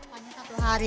hanya satu hari